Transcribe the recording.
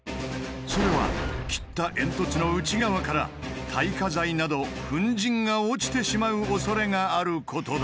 それは切った煙突の内側から耐火材など粉じんが落ちてしまうおそれがあることだ。